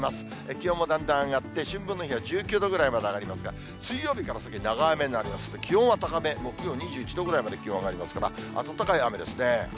気温もだんだん上がって、春分の日は１９度ぐらいまで上がりますが、水曜日から先、長雨になりますので、気温は高め、木曜２１度ぐらいまで気温上がりますから、暖かい雨ですね。